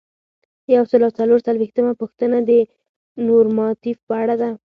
یو سل او څلور څلویښتمه پوښتنه د نورماتیف په اړه ده.